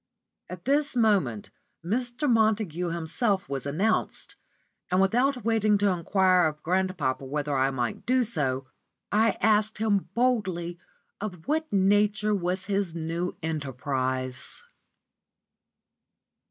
At this moment Mr. Montague himself was announced, and, without waiting to enquire of grandpapa whether I might do so, I asked him boldly of what nature was his new enterprise.